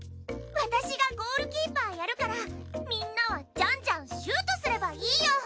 私がゴールキーパーやるからみんなはジャンジャンシュートすればいいよ。